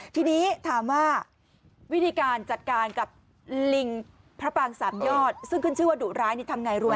ทีนี้ถามว่าวิธีการจัดการกับลิงพระปางสามยอดซึ่งขึ้นชื่อว่าดุร้ายนี่ทำไงรู้ไหม